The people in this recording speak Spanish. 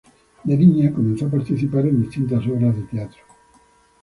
De niña comenzó a participar en distintas obras de teatro.